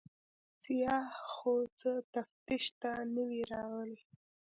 سیاح خو څه تفتیش ته نه وي راغلی.